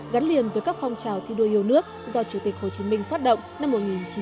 gắn liền với các phong trào thi đua yêu nước do chủ tịch hồ chí minh phát động năm một nghìn chín trăm bảy mươi năm